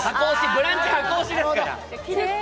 「ブランチ」箱推しですから。